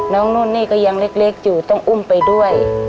นุ่นนี่ก็ยังเล็กอยู่ต้องอุ้มไปด้วย